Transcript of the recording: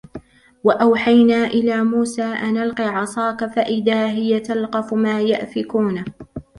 وأوحينا إلى موسى أن ألق عصاك فإذا هي تلقف ما يأفكون